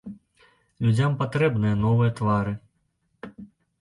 Людзям патрэбныя новыя твары.